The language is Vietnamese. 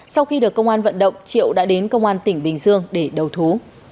sau khi được công an vận động triệu đã đến công an tỉnh bình dương để đầu thú